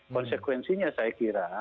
konsekuensinya saya kira